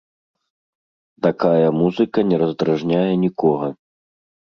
Такая музыка не раздражняе нікога.